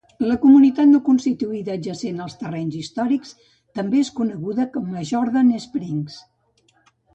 La comunitat no constituïda adjacent als terrenys històrics també es coneguda com Jordan Springs.